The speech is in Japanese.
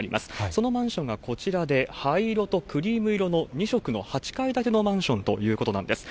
そのマンションがこちらで、灰色とクリーム色の２色の８階建てのマンションということなんです。